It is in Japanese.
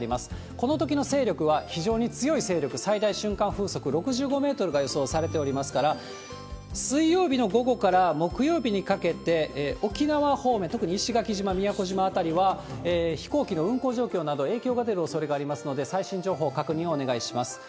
このときの勢力は非常に強い勢力、最大瞬間風速６５メートルが予想されておりますから、水曜日の午後から木曜日にかけて沖縄方面、特に石垣島、宮古島辺りは飛行機の運航状況など、影響が出るおそれがありますので、最新情報確認をお願いします。